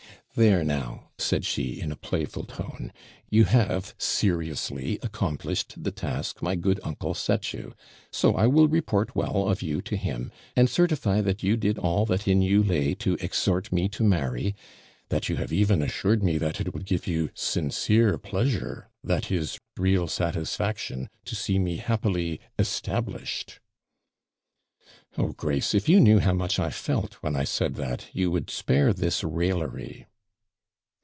'There now,' said she, in a playful tone, 'you have SERIOUSLY accomplished the task my good uncle set you; so I will report well of you to him, and certify that you did all that in you lay to exhort me to marry; that you have even assured me that it would give you sincere pleasure, that is, real satisfaction, to see me happily established.' 'Oh, Grace, if you knew how much I felt when I said that, you would spare this raillery.'